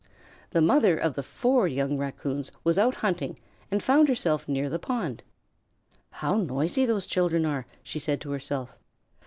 The mother of the four young Raccoons was out hunting and found herself near the pond. "How noisy those children are!" she said to herself.